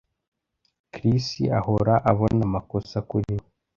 Chris ahora abona amakosa kuri we